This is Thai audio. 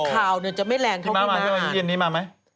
เฮ่าจะไม่แรงพวกมันพี่มาเย็นนี่มาไหม